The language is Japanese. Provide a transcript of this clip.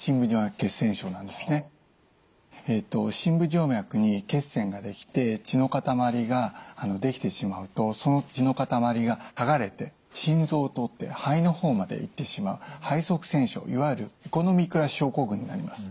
深部静脈に血栓が出来て血の塊が出来てしまうとその血の塊がはがれて心臓を通って肺の方まで行ってしまう肺塞栓症いわゆるエコノミークラス症候群になります。